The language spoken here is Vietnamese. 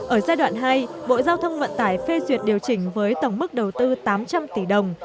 ở giai đoạn hai bộ giao thông vận tải phê duyệt điều chỉnh với tổng mức đầu tư tám trăm linh tỷ đồng